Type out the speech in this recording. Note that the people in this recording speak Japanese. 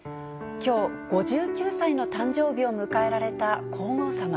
きょう、５９歳の誕生日を迎えられた皇后さま。